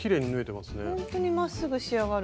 ほんとにまっすぐ仕上がる。